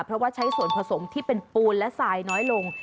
เพราะว่าใช้ส่วนผสมที่เป็นปูนและทรายน้อยลง